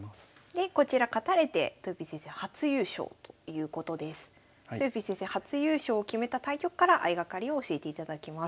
でこちら勝たれてとよぴー先生初優勝を決めた対局から相掛かりを教えていただきます。